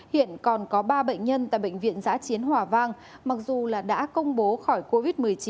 hiện còn có ba bệnh nhân tại bệnh viện giã chiến hòa vang mặc dù là đã công bố khỏi covid một mươi chín